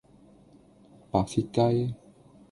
白切雞